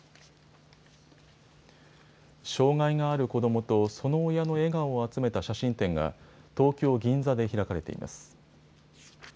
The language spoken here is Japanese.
障害がある子どもとその親の笑顔を集めた写真展が、東京・銀座で開かれています。